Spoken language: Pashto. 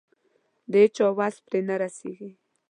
د هيچا وس پرې نه رسېږي.